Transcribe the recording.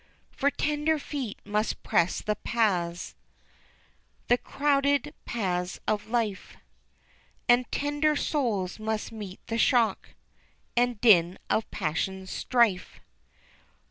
"For tender feet must press the paths The crowded paths of life And tender souls must meet the shock And din of passions strife.